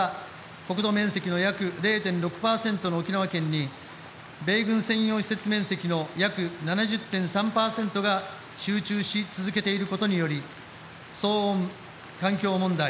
国土面積の約０．６％の沖縄県に米軍専用施設面積の約７０．３％が集中し続けていることにより騒音、環境問題